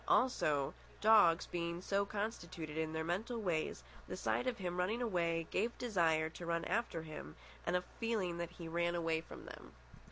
Also, dogs being so constituted in their mental ways, the sight of him running away gave desire to run after him and a feeling that he ran away from them.